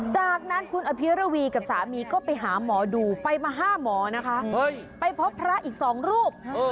จากนั้นคุณอภิรวีกับสามีก็ไปหาหมอดูไปมา๕หมอนะคะไปพบพระอีก๒รูป